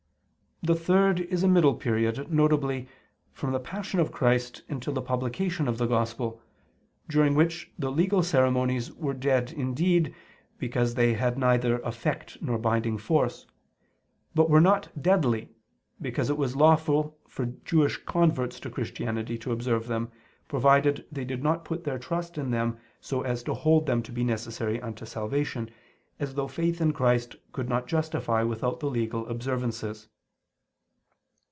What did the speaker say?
The third is a middle period, viz. from the Passion of Christ until the publication of the Gospel, during which the legal ceremonies were dead indeed, because they had neither effect nor binding force; but were not deadly, because it was lawful for the Jewish converts to Christianity to observe them, provided they did not put their trust in them so as to hold them to be necessary unto salvation, as though faith in Christ could not justify without the legal observances.